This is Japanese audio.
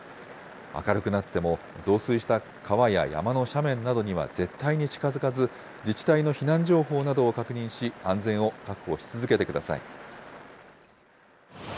明るくなっても増水した川や山の斜面などには絶対に近づかず、自治体の避難情報などを確認し、安全を確保し続けてください。